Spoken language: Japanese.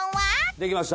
できました。